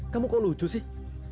kamu kok lucu sih